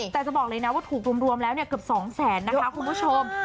แต่จะบอกเลยนะว่าถูกรวมแล้วเกือบ๒แสนนะคะคุณผู้ชม